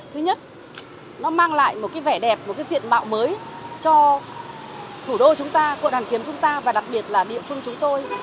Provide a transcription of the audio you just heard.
thứ nhất nó mang lại một cái vẻ đẹp một cái diện mạo mới cho thủ đô chúng ta quận hoàn kiếm chúng ta và đặc biệt là địa phương chúng tôi